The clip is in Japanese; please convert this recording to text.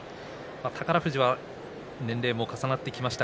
宝富士は年齢も重ねてきました。